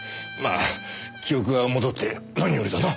あ記憶が戻って何よりだな。